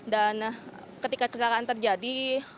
dan ketika kecelakaan terjadi